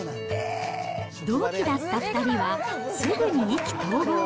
同期だった２人はすぐに意気投合。